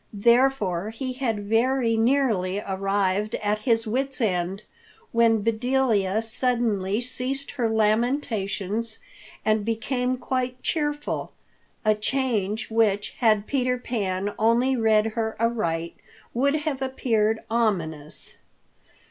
Therefore he had very nearly arrived at his wits' end when Bedelia suddenly ceased her lamentations and became quite cheerful—a change which, had Peter Pan only read her aright, would have appeared ominous.